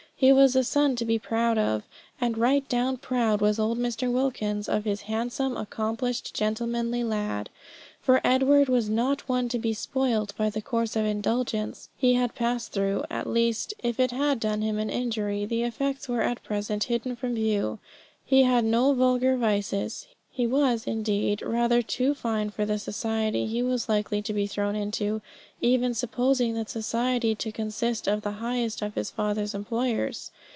He was a son to be proud of, and right down proud was old Mr. Wilkins of his handsome, accomplished, gentlemanly lad. For Edward was not one to be spoilt by the course of indulgence he had passed through; at least, if it had done him an injury, the effects were at present hidden from view. He had no vulgar vices; he was, indeed, rather too refined for the society he was likely to be thrown into, even supposing that society to consist of the highest of his father's employers.